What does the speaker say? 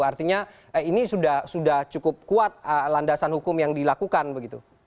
artinya ini sudah cukup kuat landasan hukum yang dilakukan begitu